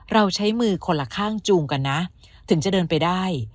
เราใช้มือคนละข้างจูงกันนะถึงจะเดินไปได้